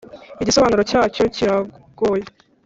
igisobanuro cyabyo kiragoye.